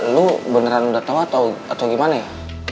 lo beneran udah tau atau gimana ya